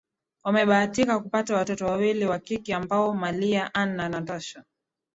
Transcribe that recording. Wamebahatika kupata watoto wawili wa kike ambao Malia Ann na Natasha